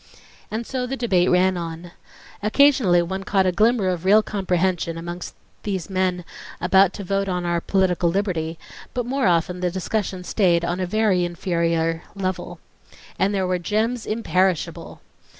And so the debate ran on. Occasionally one caught a glimmer of real comprehension, amongst these men about to vote upon our political liberty; but more often the discussion stayed on a very inferior level. And there were gems imperishable!